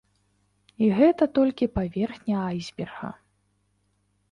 І гэта толькі паверхня айсберга.